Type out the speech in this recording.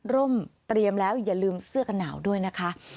ร่มเตรียมแล้วอย่าลืมเสื้อกันหนาวด้วยนะคะ